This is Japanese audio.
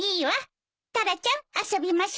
タラちゃん遊びましょ。